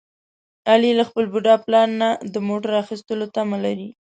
علي له خپل بوډا پلار نه د موټر اخیستلو تمه لري.